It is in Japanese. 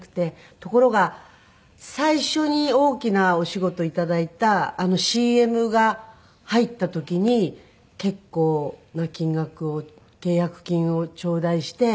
ところが最初に大きなお仕事を頂いたＣＭが入った時に結構な金額を契約金を頂戴して。